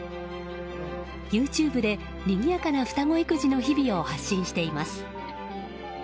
ＹｏｕＴｕｂｅでにぎやかな双子育児の日々を発信しています。